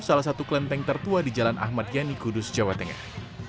salah satu kelenteng tertua di jalan ahmad yani kudus jawa tengah